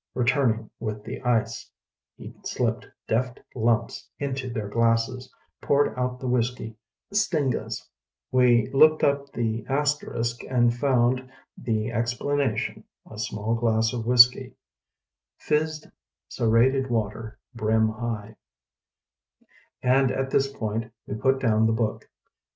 "Returning with the ice, he slipped deft lumps into their glasses; poured out the whisky stengahs*" (we looked up the * and found the explana tion "a small glass of whisky") ; "fizzed aerated water brim high" and at this point we put down the book.